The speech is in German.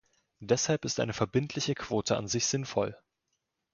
Deshalb ist eine verbindliche Quote an sich sinnvoll.